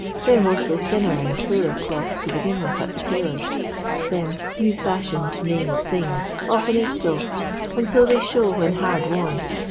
They're mostly thinner and ' poorer cloth to begin with at the tailors — them ' new &shioned named things often is so — and so they show when hard worn.